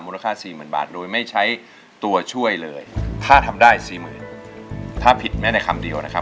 ค่าสี่หมื่นบาทโดยไม่ใช้ตัวช่วยเลยถ้าทำได้สี่หมื่นถ้าผิดแม้แต่คำเดียวนะครับ